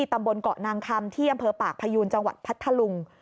ตำบลเกาะนางคำที่อำเภอปากพยูนจังหวัดพัทธลุง